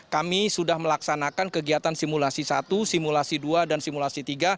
kami sudah melaksanakan kegiatan simulasi satu simulasi dua dan simulasi tiga